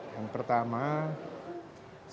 yang pertama saya ingin menerima